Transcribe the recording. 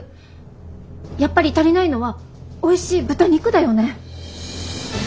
やっぱり足りないのはおいしい豚肉だよね。